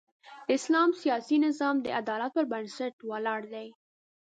اسلام سیاسي نظام د عدالت پر بنسټ ولاړ دی.